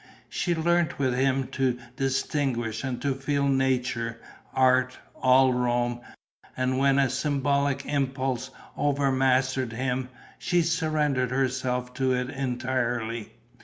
She learnt with him to distinguish and to feel nature, art, all Rome; and, when a symbolic impulse overmastered him, she surrendered herself to it entirely.